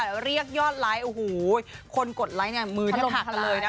แต่เรียกยอดไลค์โอ้โหคนกดไลค์เนี่ยมือแทบหักกันเลยนะ